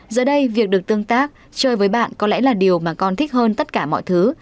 giờ đây việc được tương tác chơi với bạn có lẽ là điều mà con thích hơn tất cả mọi thứ